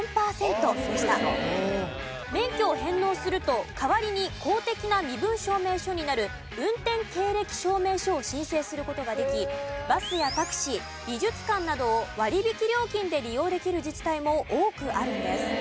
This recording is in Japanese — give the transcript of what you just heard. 免許を返納すると代わりに公的な身分証明書になる運転経歴証明書を申請する事ができバスやタクシー美術館などを割引料金で利用できる自治体も多くあるんです。